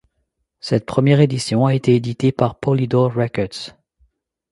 Cette première édition a été éditée par Polydor Records.